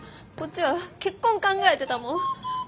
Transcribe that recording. こっちは結婚考えてたもん。